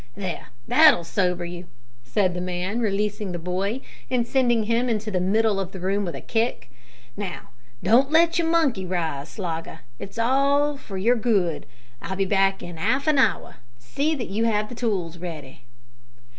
"There, that'll sober you," said the man, releasing the boy, and sending him into the middle of the room with a kick. "Now, don't let your monkey rise, Slogger. It's all for your good. I'll be back in 'alf an hour. See that you have the tools ready."